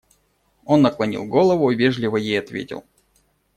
Он наклонил голову и вежливо ей ответил.